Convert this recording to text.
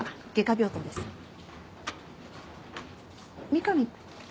三上？